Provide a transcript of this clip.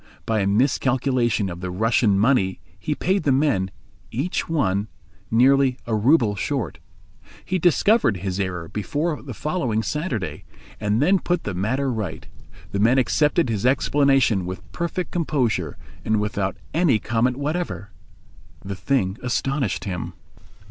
By a miscalculation of the Russian money he paid the men, each one, nearly a rouble short. He discovered his error before the following Saturday, and then put the matter right. The men accepted his explanation with perfect composure and without any comment whatever. The thing astonished him.